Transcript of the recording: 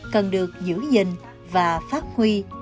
cần được giữ gìn và phát huy